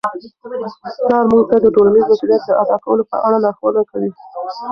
پلار موږ ته د ټولنیز مسؤلیت د ادا کولو په اړه لارښوونه کوي.